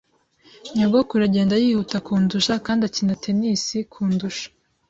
Nyogokuru agenda yihuta kundusha, kandi akina tennis kundusha.